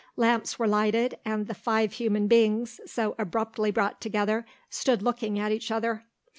Lamps were lighted and the five human beings, so abruptly brought together, stood looking at each other.